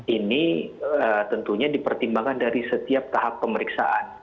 ini tentunya dipertimbangkan dari setiap tahap pemeriksaan